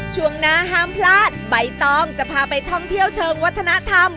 ช่วงหน้าห้ามพลาดใบตองจะพาไปท่องเที่ยวเชิงวัฒนธรรม